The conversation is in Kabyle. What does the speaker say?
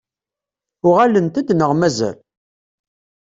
Uɣalent-d neɣ mazal?